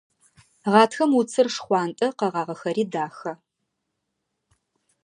Гъатхэм уцыр шхъуантӀэ, къэгъагъэхэри дахэ.